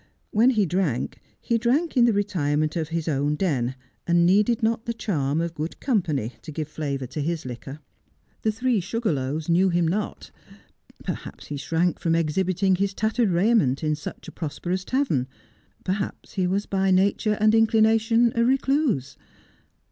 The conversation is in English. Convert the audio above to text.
When he drank he drank in the retirement of his own den, and needed not the charm of good company to give flavour to his liquor. The Three Sugar Loaves knew him not. Perhaps he shrank from exhibiting his tattered rainment in such a prosperous tavern. Perhaps he was by nature and inclination a recluse.